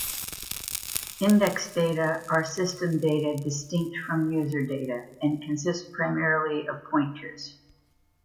Index data are system data distinct from user data, and consist primarily of pointers.